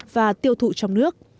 và tiêu thụ trong nước